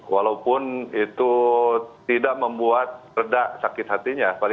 walaupun itu tidak membuat reda sakit hatinya